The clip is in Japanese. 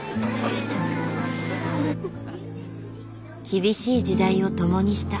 厳しい時代を共にした。